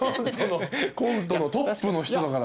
コントのトップの人だから。